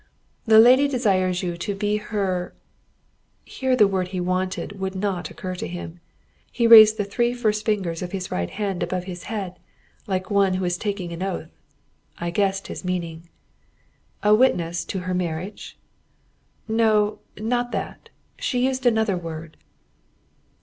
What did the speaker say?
"The lady desires you to be her ..." here the word he wanted would not occur to him. He raised the three first fingers of his right hand above his head, like one who is taking an oath. I guessed his meaning. "A witness to her marriage?" "No, not that. She used another word."